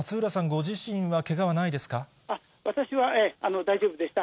ご自身は、けがはな私は大丈夫でした。